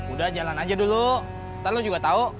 udah jalan aja dulu ntar lo juga tahu